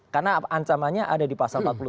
karena ancamanya ada di pasal empat puluh tujuh